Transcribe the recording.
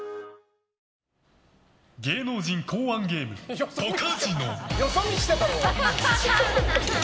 芸能人考案ゲームポカジノ！